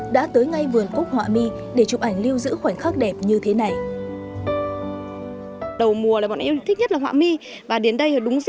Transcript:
đã tới ngay vườn cúc họa mi để chụp ảnh lưu giữ khoảnh khắc đẹp như thế này